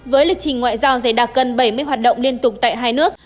với lịch trình ngoại giao dày đặc gần bảy mươi hoạt động liên tục tại hai nước